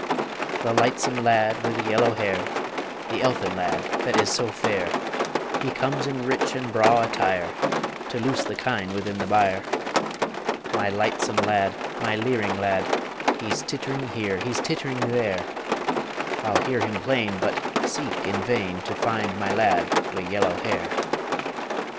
The lightsome lad wi' yellow hair, The elfin lad that is so fair, He comes in rich and braw attire To loose the kine within the byre My lightsome lad, my leering lad, He's tittering here; he's tittering there I'll hear him plain, but seek in vain To find my lad wi' yellow hair.